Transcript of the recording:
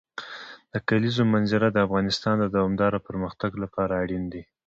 د کلیزو منظره د افغانستان د دوامداره پرمختګ لپاره اړین دي.